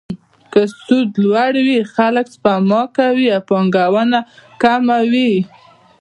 که سود لوړ وي، خلک سپما کوي او پانګونه کمه وي.